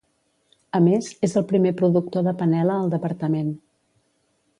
A més, és el primer productor de panela al departament.